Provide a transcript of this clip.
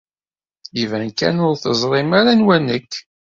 Iban kan ur teẓrim ara anwa nekk.